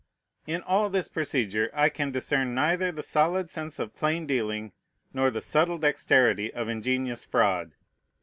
In all this procedure I can discern neither the solid sense of plain dealing nor the subtle dexterity of ingenious fraud.